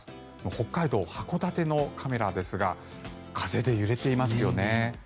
北海道函館のカメラですが風で揺れていますよね。